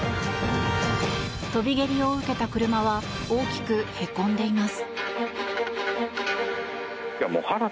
跳び蹴りを受けた車は大きくへこんでいます。